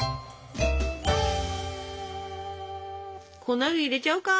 粉類入れちゃうか？